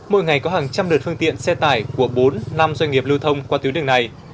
mỗi ngày có hàng trăm lượt phương tiện xe tải của bốn năm doanh nghiệp lưu thông qua tuyến đường này